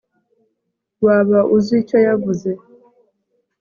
waba uzi icyo yavuze